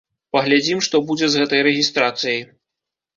Паглядзім, што будзе з гэтай рэгістрацыяй.